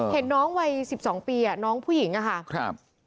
เห็นน้องวัยสิบสองปีน้องผู้หญิงอะค่ะ